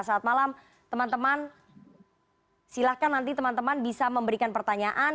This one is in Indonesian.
saat malam teman teman silahkan nanti teman teman bisa memberikan pertanyaan